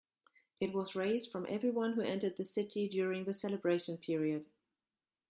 It was raised from everyone who entered the city during the celebration period.